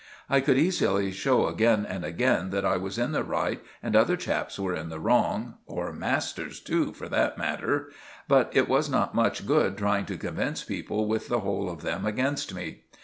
I could easily show again and again that I was in the right and other chaps were in the wrong, or masters too, for that matter; but it was not much good trying to convince people with the whole of them against me.